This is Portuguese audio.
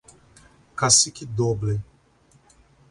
Cacique Doble